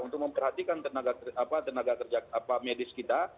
untuk memperhatikan tenaga kerja medis kita